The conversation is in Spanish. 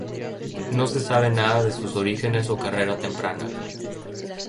No se sabe nada de sus orígenes o carrera temprana.